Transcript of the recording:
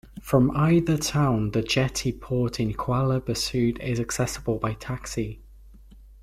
From either town, the jetty port in Kuala Besut is accessible by taxi.